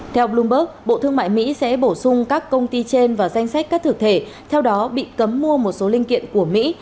theo bloomberg bộ thương mại mỹ sẽ bổ sung các công ty trên vào danh sách các thực thể theo đó bị cấm mua một số linh kiện của mỹ